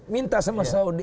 minta sama saudi